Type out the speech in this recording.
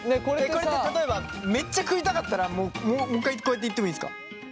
これって例えばめっちゃ食いたかったらもう一回こうやっていってもいいですか？